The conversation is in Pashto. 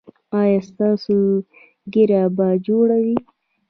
ایا ستاسو ږیره به جوړه وي؟